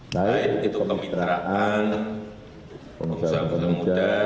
baik itu kemitraan pengusaha muda